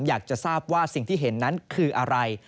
อยากจะทราบว่าสิ่งที่เห็นนั้นคืออะไร